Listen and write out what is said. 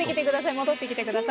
戻ってきてください。